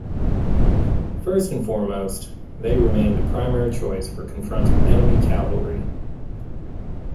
First and foremost they remained the primary choice for confronting enemy cavalry.